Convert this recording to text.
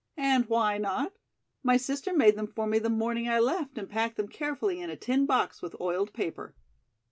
"And why not? My sister made them for me the morning I left and packed them carefully in a tin box with oiled paper."